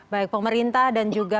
baik pemerintah dan juga